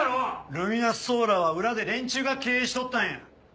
ルミナスソーラーは裏で連中が経営しとったんや。